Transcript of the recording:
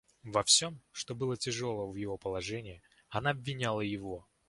Во всем, что было тяжелого в ее положении, она обвиняла его.